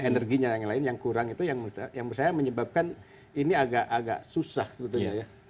energinya yang lain yang kurang itu yang menurut saya menyebabkan ini agak agak susah sebetulnya ya